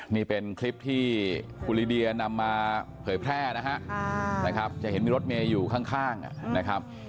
นี่เป็นคลิปที่คุณลิเดียนำมาเผยแพร่นะฮะนะครับจะเห็นมีรถเมย์อยู่ข้างนะครับ